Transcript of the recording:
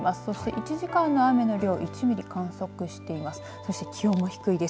１時間の雨の量１ミリを観測しています。